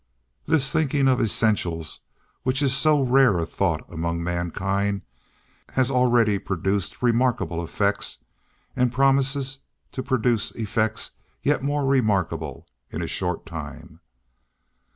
This thinking of essentials, which is so rare a thought among mankind, has already produced remarkable effects, ana promises to produce effects yet more remarkable in a short time.